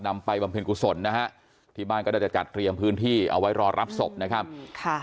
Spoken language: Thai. ไปบำเพ็ญกุศลนะฮะที่บ้านก็ได้จะจัดเตรียมพื้นที่เอาไว้รอรับศพนะครับค่ะ